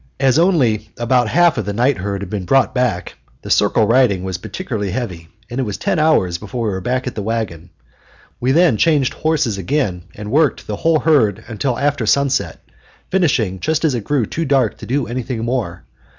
As only about half of the night herd had been brought back, the circle riding was particularly heavy, and it was ten hours before we were back at the wagon. We then changed horses again and worked the whole herd until after sunset, finishing just as it grew too dark to do anything more.